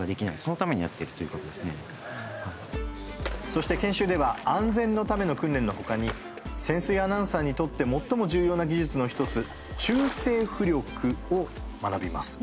そして研修では安全のための訓練の他に潜水アナウンサーにとって最も重要な技術の１つ中性浮力を学びます。